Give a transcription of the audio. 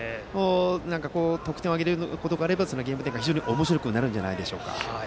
得点を挙げることがあればゲーム展開が非常におもしろくなるんじゃないでしょうか。